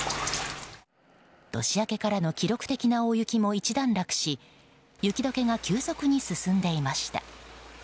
年明けからの記録的な大雪も一段落し雪解けが急速に進んでいました。